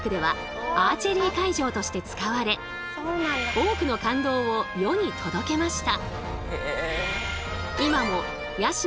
多くの感動を世に届けました。